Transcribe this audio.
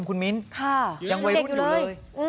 คุณมิ้นยังวัยรุ่นอยู่เลย